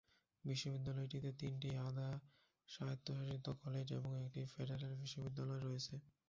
বিশ্ববিদ্যালয়টিতে তিনটি আধা-স্বায়ত্তশাসিত কলেজ এবং একটি ফেডারেল বিশ্ববিদ্যালয় রয়েছে।